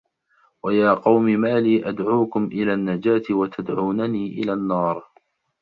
وَيا قَومِ ما لي أَدعوكُم إِلَى النَّجاةِ وَتَدعونَني إِلَى النّارِ